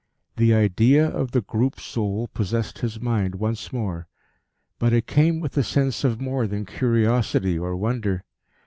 The idea of the Group Soul possessed his mind once more. But it came with a sense of more than curiosity or wonder.